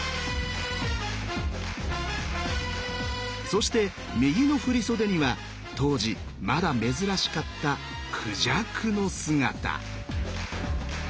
そして右の振り袖には当時まだ珍しかったクジャクの姿。